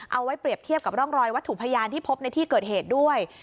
เอาไว้เปรียบเทียบกับร่องรอยวัตถุพยานที่พบในที่เกิดเหตุด้วย